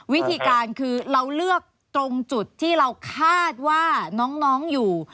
วิธีการคือเราเลือกตรงจุดที่เราคาดว่าน้องอยู่